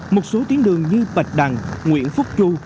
một số tuyến đường như bạch đằng nguyễn phúc chu